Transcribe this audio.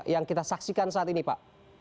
yang kita saksikan saat ini pak